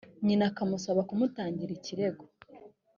nyina akanamusaba kumutangira ikirego